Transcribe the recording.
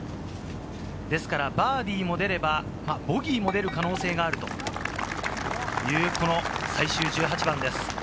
バーディーも出れば、ボギーも出る可能性があるという最終１８番です。